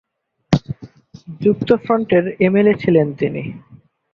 যুক্তফ্রন্টের MLA ছিলেন তিনি।